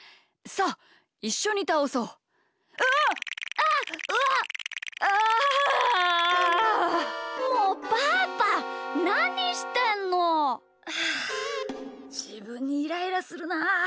ああじぶんにイライラするなあ！